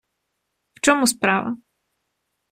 В чому справа.